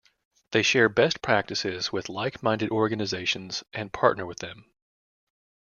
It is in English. They share best practices with like-minded organizations and partner with them.